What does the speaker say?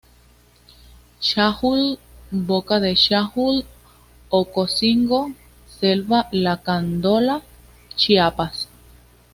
Chajul, Boca de Chajul, Ocosingo; selva Lacandona, Chiapas.